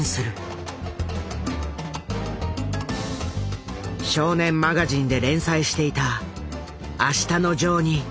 「少年マガジン」で連載していた「あしたのジョー」に若者たちは熱狂した。